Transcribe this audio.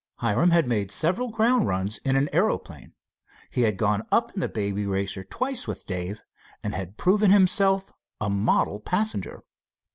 Hiram had made several ground runs in an aeroplane. He had gone up in the Baby Racer twice with Dave, and had proven himself a model passenger.